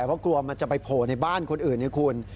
เพราะกลัวมันจะไปโผล่ในบ้านคนอื่นไงคุณ